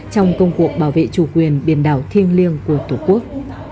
trong công cuộc bảo vệ chủ quyền biển đảo thiêng liêng của tổ quốc